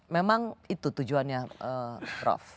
memang itu tujuannya prof